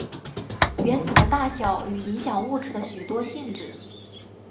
原子的大小与影响物质的许多性质。